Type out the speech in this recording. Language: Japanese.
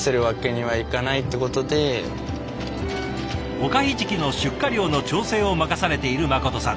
おかひじきの出荷量の調整を任されている心さん。